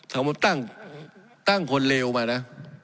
ถ้าผมตั้งตั้งคนเลวมานะ